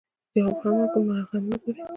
جواب هم وکړم نو هغه هم نۀ ګوري -